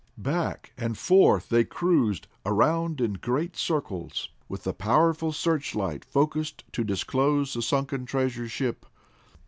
Back and forth they cruised, around in great circles, with the powerful searchlight focused to disclose the sunken treasure ship.